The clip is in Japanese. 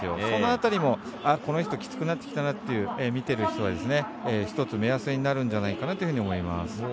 そのあたりも、この人きつくなってきたなという、見ている人は一つ、目安になるんじゃないかと思います。